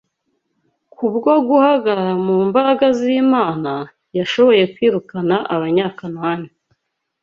Kubwo guhagarara mu mbaraga z’Imana, yashoboye kwirukana Abanyakanani